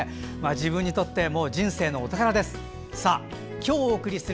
自分にとって人生のお宝です。